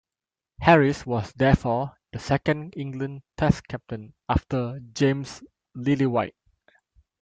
Harris was therefore the second England Test captain after James Lillywhite.